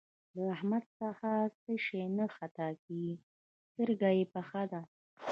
له احمده څه شی نه خطا کېږي؛ سترګه يې پخه ده.